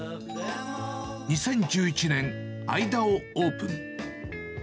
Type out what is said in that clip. ２０１１年、アイダをオープン。